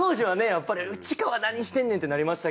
やっぱり「内川何してんねん！」ってなりましたけど